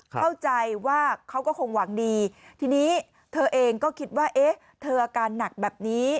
เข้าใจว่าเขาก็คงหวังดีทีนี้เธอเองก็คิดว่าเอ๊ะเธออาการหนักแบบนี้